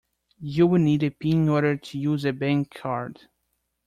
You will need a pin in order to use a bankcard